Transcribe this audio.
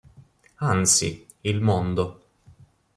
Anzi, il mondo.